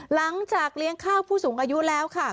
หลังจากเลี้ยงข้าวผู้สูงอายุแล้วค่ะ